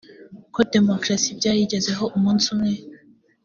ko demokarasi byayigezeho umunsi umwe